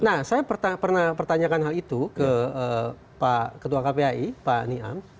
nah saya pernah pertanyakan hal itu ke pak ketua kpai pak niam